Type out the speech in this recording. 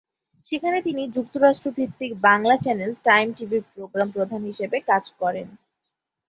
সেখানে তিনি যুক্তরাষ্ট্র-ভিত্তিক বাংলা চ্যানেল টাইম টিভির প্রোগ্রাম প্রধান হিসেবে কাজ করেন।